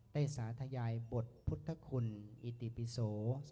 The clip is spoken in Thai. สาธยายบทพุทธคุณอิติปิโส